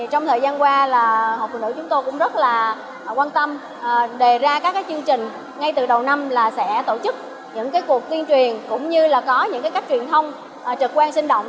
trong thời gian qua là hội phụ nữ chúng tôi cũng rất là quan tâm đề ra các chương trình ngay từ đầu năm là sẽ tổ chức những cuộc tuyên truyền cũng như là có những cách truyền thông trực quan sinh động